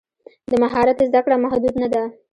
د مهارت زده کړه محدود نه ده.